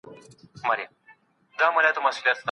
میلاټونین د بدن طبیعي دورې مرسته کوي.